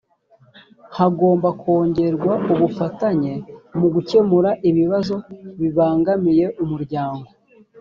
hagomba kongerwa ubufatanye mu gukemura ibibazo bibangamiye umuryango